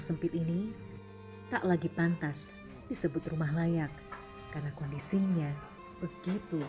sempit ini tak lagi pantas disebut rumah layak karena kondisinya begitu